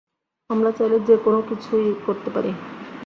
আমরা চাইলে যে কোনও কিছুই করতে পারি!